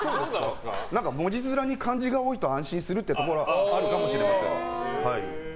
文字面に漢字が多いと安心するっていうところはあるかもしれません。